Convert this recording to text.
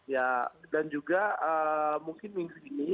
ya dan juga mungkin minggu ini atau senin